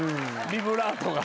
ビブラートが。